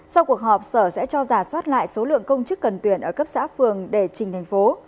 sau cuộc họp sở sẽ cho giả soát lại số lượng công chức cần tuyển ở cấp xã phường để trình thành phố